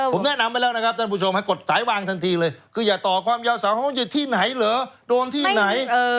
ผมแนะนำไว้แล้วนะครับท่านผู้ชมให้กดสายวางทันทีเลยคืออย่าต่อความยาวสาวของหยุดที่ไหนเหรอโดนที่ไหน